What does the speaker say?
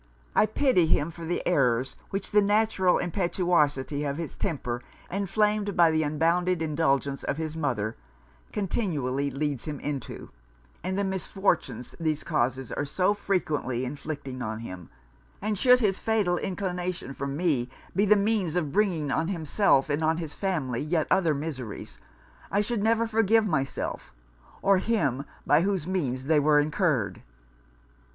I pity him for the errors which the natural impetuosity of his temper, inflamed by the unbounded indulgence of his mother, continually leads him into; and the misfortunes these causes are so frequently inflicting on him; and should his fatal inclination for me, be the means of bringing on himself and on his family yet other miseries, I should never forgive myself; or him by whose means they were incurred.'